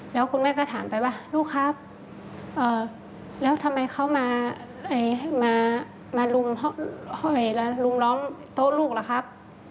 แล้วคุณแม่ก็ถามไปว่าลูกครับ